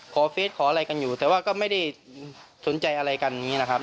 เฟสขออะไรกันอยู่แต่ว่าก็ไม่ได้สนใจอะไรกันอย่างนี้นะครับ